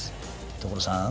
所さん！